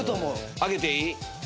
上げていい？